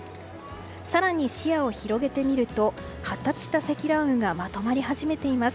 更に視野を広げてみると発達した積乱雲がまとまり始めています。